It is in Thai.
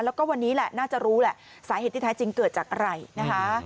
แล้วก็วันนี้แหละน่าจะรู้แหละสาเหตุที่แท้จริงเกิดจากอะไรนะคะ